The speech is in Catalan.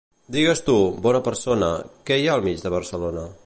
Digues tu, bona persona, què hi ha al mig de Barcelona?